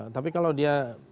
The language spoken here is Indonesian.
tapi kalau dia